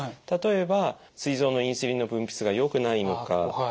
例えばすい臓のインスリンの分泌が良くないのか。